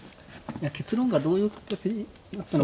結論がどういう形になったのか。